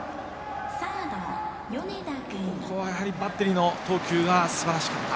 ここはバッテリーの投球がすばらしかった。